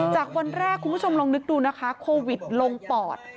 จากวันแรกคุณผู้ชมลองนึกดูนะคะโควิดลงปอด